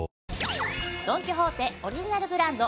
ドン・キホーテオリジナルブランド